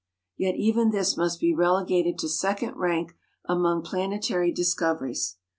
Yet even this must be relegated to second rank among planetary discoveries.